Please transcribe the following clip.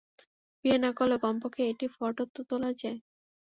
বিয়ে না করলেও, কমপক্ষে একটি ফটো তো তোলা যায়।